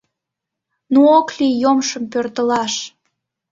Но ок лий йомшым пӧртылташ